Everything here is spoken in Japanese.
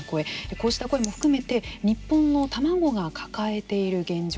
こうした声も含めて日本の卵が抱えている現状